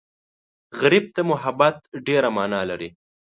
غریب ته محبت ډېره مانا لري